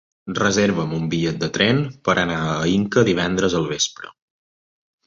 Reserva'm un bitllet de tren per anar a Inca divendres al vespre.